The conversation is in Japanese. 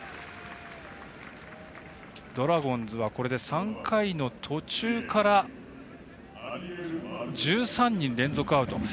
ドラゴンズはこれで３回の途中から１３人連続アウト。